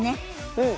うん。